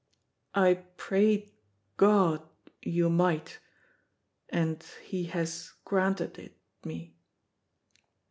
I prayed God you might, and He has granted it me.